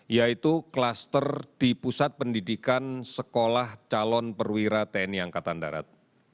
yaitu klaster di pusat pendidikan sekolah calon perwira tni angkatan darat